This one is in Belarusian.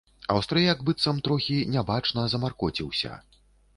Аўстрыяк быццам трохі, нябачна, замаркоціўся.